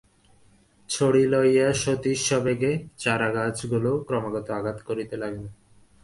ছড়ি লইয়া সতীশ সবেগে চারাগাছগুলিকে ক্রমাগত আঘাত করিতে লাগিল।